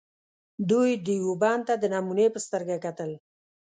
دوی دیوبند ته د نمونې په سترګه کتل.